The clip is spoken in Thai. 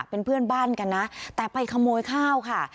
เป็นเพื่อนบ้านกันนะแต่ไปขโมยข้าวค่ะ